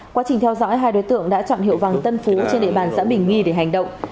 quá trình theo dõi hai đối tượng đã chọn hiệu vàng tân phú trên địa bàn xã bình nghi để hành động